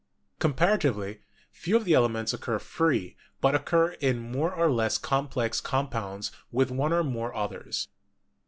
Comparatively few of the elements occur free, but occur in more or less complex compounds with one or more oth ers.